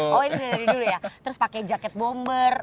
oh itu dari dulu ya terus pakai jaket bomber